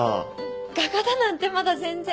画家だなんてまだ全然。